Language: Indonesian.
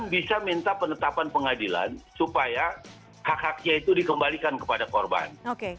dan bisa minta penetapan pengadilan supaya hak haknya itu dikembalikan kepada korban